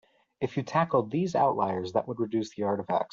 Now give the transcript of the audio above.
If you tackled these outliers that would reduce the artifacts.